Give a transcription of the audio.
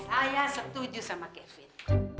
saya setuju sama kevin